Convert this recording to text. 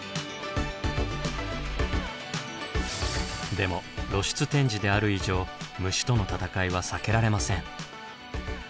でも露出展示である以上虫との戦いは避けられません。